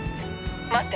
待って！